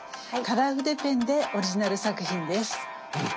カラー筆ペンでオリジナル作品です。